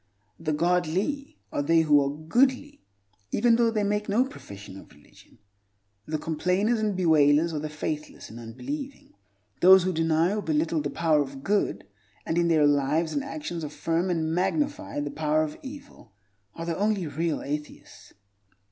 The "godly" are they who are goodly even though they make no profession of religion. The complainers and bewailers are the faithless and unbelieving. Those who deny or belittle the power of good, and in their lives and actions affirm and magnify the power of evil, are the only real atheists.